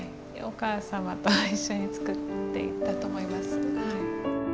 お母様と一緒に作っていたと思います。